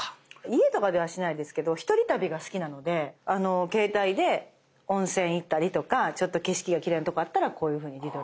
家とかではしないですけど一人旅が好きなので携帯で温泉行ったりとかちょっと景色がきれいな所あったらこういうふうに自撮りを。